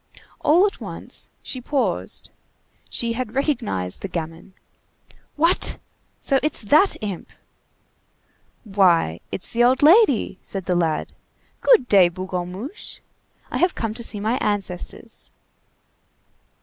All at once she paused. She had recognized the gamin. "What! so it's that imp!" "Why, it's the old lady," said the lad. "Good day, Bougonmuche. I have come to see my ancestors."